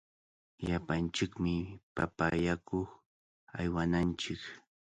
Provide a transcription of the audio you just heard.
Llapanchikmi papa allakuq aywananchik.